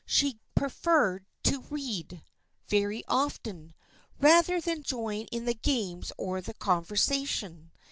She preferred to read, very often, rather than join in the games or the conversation.